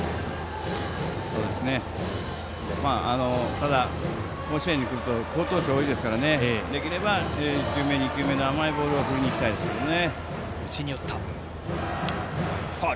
ただ、甲子園に来ると好投手多いですからできれば１球目、２球目の甘いボールを振りにいきたいですけどね。